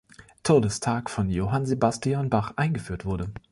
Todestag von Johann Sebastian Bach" eingeführt wurde.